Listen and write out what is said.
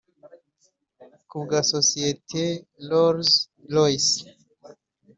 Ku bwa sosiyete Rolls-Royce